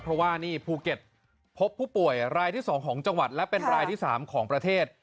เพราะว่านี่ภูเก็ตพบผู้ป่วยรายที่๒ของจังหวัดและเป็นรายที่๓ของประเทศ